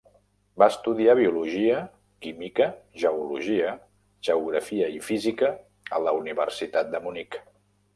Va estudiar biologia, química, geologia, geografia i física a la Universitat de Munic.